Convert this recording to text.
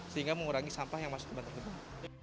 sehingga mengurangi sampah yang masuk ke bantar gebang